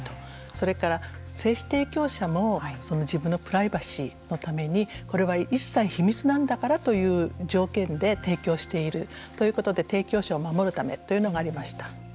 それから精子提供者も自分のプライバシーのためにこれは一切秘密なんだからという条件で提供しているということで提供者を守るためというのがありました。